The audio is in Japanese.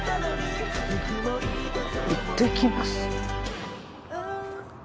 いってきます？